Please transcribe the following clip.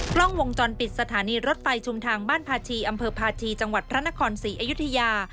กล้องวงจรปิดสถานีรถไฟชุมทางบ้านพาชีอำเภอพาชีจังหวัดพระนครศรีอยุธยา